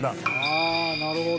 ああなるほど。